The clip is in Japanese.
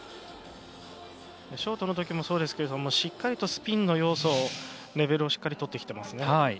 ショートのときもそうですがしっかりとスピンの要素のレベルをしっかりと取ってきています。